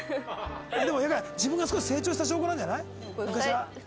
でも自分が少し成長した証拠なんじゃない？